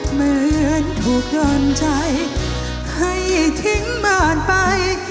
เหมือนถูกโยนใช้ให้ทิ้งบ้านไป